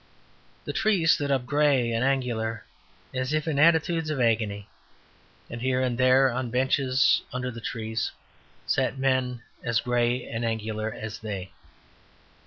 The trees stood up grey and angular, as if in attitudes of agony; and here and there on benches under the trees sat men as grey and angular as they.